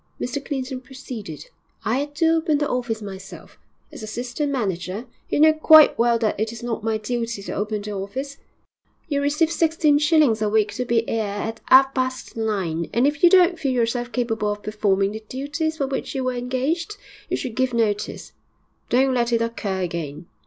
Mr Clinton proceeded, 'I 'ad to open the office myself. As assistant manager, you know quite well that it is not my duty to open the office. You receive sixteen shillings a week to be 'ere at 'alf past nine, and if you don't feel yourself capable of performing the duties for which you was engaged, you should give notice.... Don't let it occur again.'